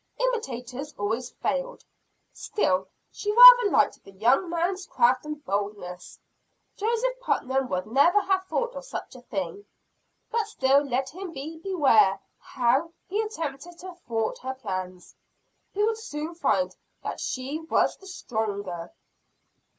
Imitators always failed. Still she rather liked the young man's craft and boldness Joseph Putnam would never have thought of such a thing. But still let him beware how he attempted to thwart her plans. He would soon find that she was the stronger.